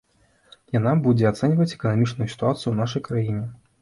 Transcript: Яна будзе ацэньваць эканамічную сітуацыю ў нашай краіне.